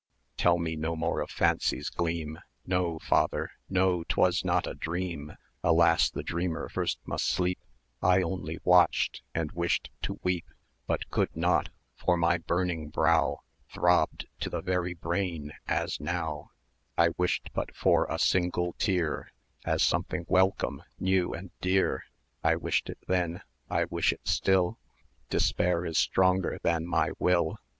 "Tell me no more of Fancy's gleam, No, father, no,'twas not a dream; Alas! the dreamer first must sleep, I only watched, and wished to weep; 1260 But could not, for my burning brow Throbbed to the very brain as now: I wished but for a single tear, As something welcome, new, and dear: I wished it then, I wish it still; Despair is stronger than my will.